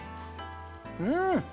うん！